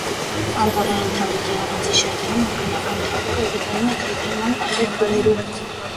Անտառային թաղիքի առանձին շերտերում օրգանական թափուկը գտնվում է քայքայման տարբեր փուլերում։